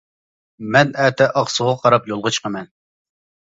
-مەن ئەتە ئاقسۇغا قاراپ يولغا چىقىمەن.